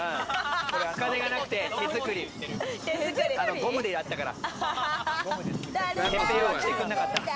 お金がなくて手づくり、ゴムでやったから。